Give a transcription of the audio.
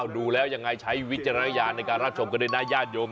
ดูแล้วยังไงใช้วิจารณญาณในการรับชมกันด้วยนะญาติโยม